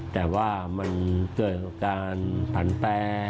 แต่ว่ามันเกิดการผันแปร